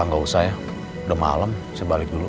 gak usah ya udah malem saya balik dulu